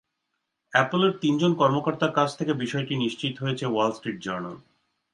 অ্যাপলের তিনজন কর্মকর্তার কাছ থেকে বিষয়টি নিশ্চিত হয়েছে ওয়াল স্ট্রিট জার্নাল।